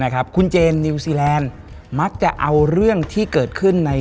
คุณเจมส์นิวซีแลนด์มักจะเอาเรื่องที่เกิดขึ้นใน